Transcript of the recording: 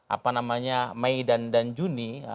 apa namanya mei dan juni